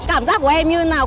cảm giác của em như thế nào